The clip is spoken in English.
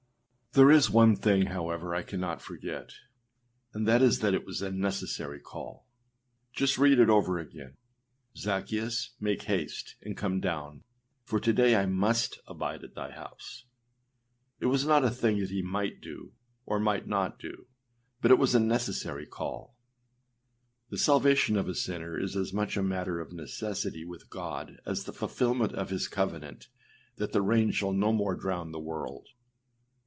â 7. There is one thing, however, I cannot forget, and that is that it was a necessary call. Just read it over again. âZaccheus, make haste, and come down; for to day I must abide at thy house.â It 326 ClassicChristianLibrary.com 73 Effectual Calling Luke 19:5 was not a thing that he might do, or might not do; but it was a necessary call. The salvation of a sinner is as much a matter of necessity with God as the fulfilment of his covenant that the rain shall no more drown the world.